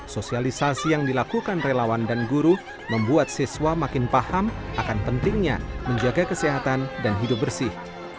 sosialisasi yang dilakukan relawan dan guru membuat siswa makin paham akan pentingnya menjaga kesehatan dan hidup bersih